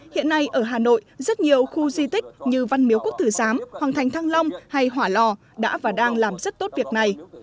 hà nội rất nhiều khu di tích như văn miếu quốc tử giám hoàng thành thăng long hay hỏa lò đã và đang làm rất tốt việc này